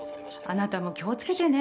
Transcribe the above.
あなたも気をつけてね。